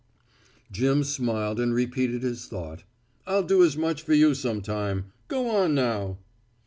Jim smiled and repeated his thought. "I'll do as much for you some time. Go on now."